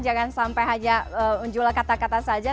jangan sampai hanya menjual kata kata saja